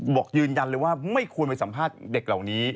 บอกยืนยันเลยว่าไม่ควรไปสัมภาษณ์เด็กเหล่านี้